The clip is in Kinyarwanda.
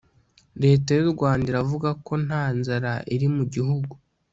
Leta y'u Rwanda iravuga ko nta nzara ili mu gihugu.